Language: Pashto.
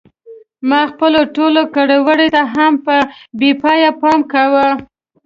ما خپلو ټولو کړو وړو ته هم بې پایه پام کاوه.